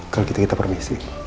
kalau gitu kita permisi